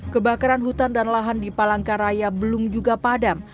kebakaran hutan dan lahan di palangkaraya belum juga padam